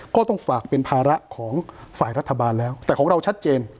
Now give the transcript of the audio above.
ก็ต้องฝากเป็นภาระของฝ่ายรัฐบาลแล้วแต่ของเราชัดเจน